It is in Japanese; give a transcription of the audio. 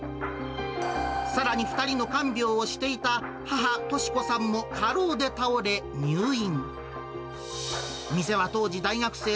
さらに、２人の看病をしていた母、としこさんも過労で倒れ入院。